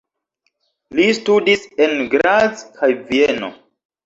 Li studis en Graz kaj Vieno.